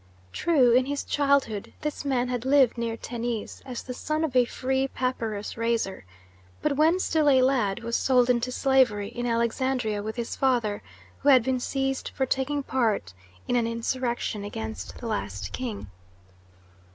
True, in his childhood this man had lived near Tennis as the son of a free papyrus raiser, but when still a lad was sold into slavery in Alexandria with his father, who had been seized for taking part in an insurrection against the last king.